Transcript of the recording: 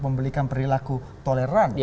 memberikan perilaku toleran